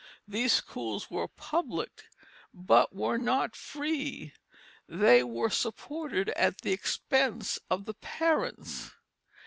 These schools were public, but were not free; they were supported at the expense of the parents.